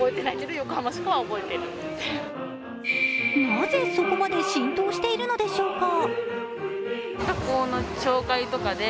なぜ、そこまで浸透しているのでしょうか。